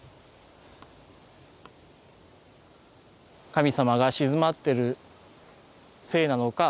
神様が鎮まってるせいなのか